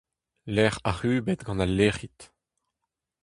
Lec'h ac'hubet gant al lec'hid.